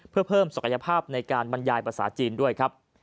เพื่อเพิ่มศักยภาพในการบรรยายภาษาจีนด้วยครับ